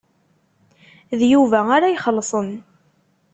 D Yuba ara ixellṣen.